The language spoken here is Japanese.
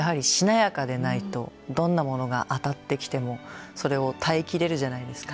どんなものが当たってきてもそれを耐えきれるじゃないですか。